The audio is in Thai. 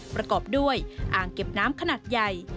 ประกอบด้วยอ่างเก็บน้ำขนาดใหญ่